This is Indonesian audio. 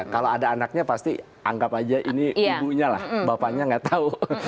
kalau ada anaknya pasti anggap aja ini ibunya lah bapaknya nggak tahu